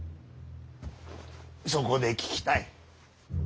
そこで聞きたい。